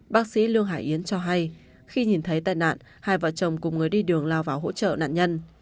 bác sĩ lương hải yến cho hay khi nhìn thấy tai nạn hai vợ chồng cùng người đi đường lao vào hỗ trợ nạn nhân